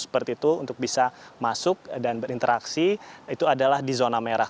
seperti itu untuk bisa masuk dan berinteraksi itu adalah di zona merah